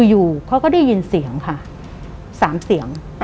อยู่เขาก็ได้ยินเสียงค่ะ๓เสียง